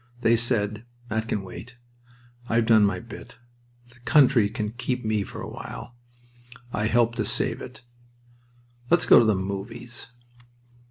They said: "That can wait. I've done my bit. The country can keep me for a while. I helped to save it... Let's go to the 'movies.'"